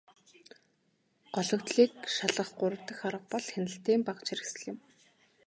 Гологдлыг шалгах гурав дахь арга бол хяналтын багажхэрэгслэл юм.